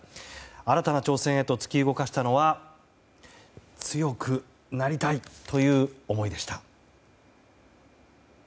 新たな挑戦へと突き動かしたのは強くなりたいという思いでした。